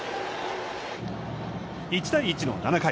１対１の７回。